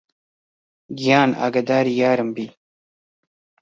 گیان ئاگادری یارم بی